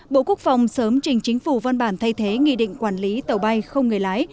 bộ quốc phòng sớm trình chính phủ văn bản thay thế nghị định quản lý tàu bay không người lái